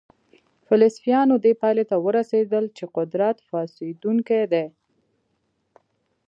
فلسفیانو دې پایلې ته ورسېدل چې قدرت فاسدونکی دی.